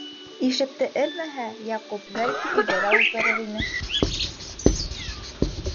Ишекте элмәһә, Яҡуп, бәлки, өйҙә лә ултырыр ине.